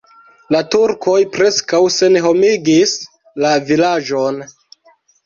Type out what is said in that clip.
La turkoj preskaŭ senhomigis la vilaĝon.